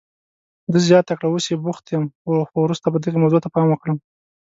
ده زیاته کړه، اوس بوخت یم، خو وروسته به دغې موضوع ته پام وکړم.